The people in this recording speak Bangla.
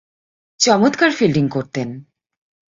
চমৎকার ফিল্ডিং করতেন।